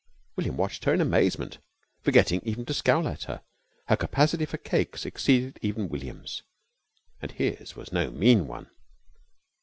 William watched her in amazement, forgetting even to scowl at her. Her capacity for cakes exceeded even William's, and his was no mean one.